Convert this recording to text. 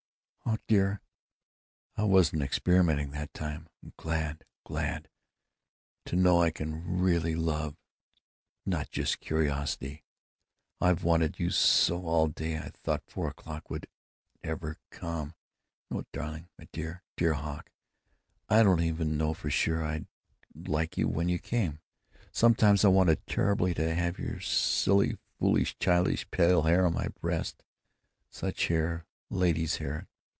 "Hawk dear, I wasn't experimenting, that time. I'm glad, glad! To know I can really love; not just curiosity!... I've wanted you so all day. I thought four o'clock wouldn't ever come—and oh, darling, my dear, dear Hawk, I didn't even know for sure I'd like you when you came! Sometimes I wanted terribly to have your silly, foolish, childish, pale hair on my breast—such hair! lady's hair!